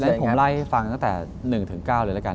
แล้วผมไล่ให้ฟังตั้งแต่๑๙เลยแล้วกัน